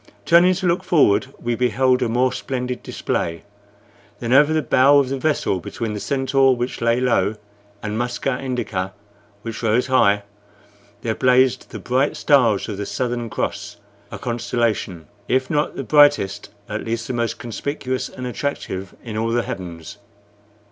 Turning to look forward, we beheld a more splendid display. Then, over the bow of the vessel, between the Centaur, which lay low, and Musca Indica, which rose high, there blazed the bright stars of the Southern Cross a constellation, if not the brightest, at least the most conspicuous and attractive in all the heavens.